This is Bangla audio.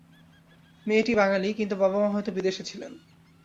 মেয়েটি বাঙালিই, কিন্তু বাবা-মা হয়তো বিদেশে ছিলেন।